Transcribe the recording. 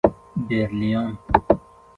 تندرستی